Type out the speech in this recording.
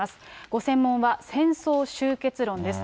ご専門は戦争終結論です。